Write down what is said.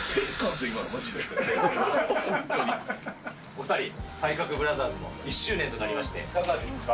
お２人、体格ブラザーズも１周年となりまして、いかがですか。